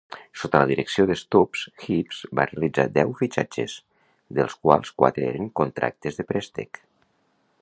Sota la direcció de Stubbs, Hibs va realitzar deu fitxatges, dels quals quatre eren contractes de préstec.